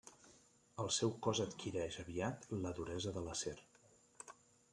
El seu cos adquireix aviat la duresa de l'acer.